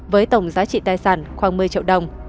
với tổng giá trị tài sản khoảng một mươi triệu đồng